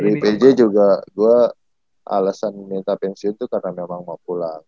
dari pj juga gue alasan minta pensiun itu karena memang mau pulang